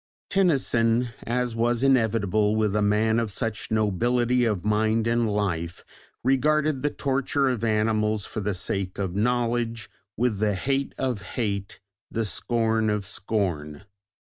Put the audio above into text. ] Tennyson, as was inevitable with a man of such nobility of mind and life, regarded the torture of animals for the sake of knowledge with "the hate of hate, the scorn of scorn."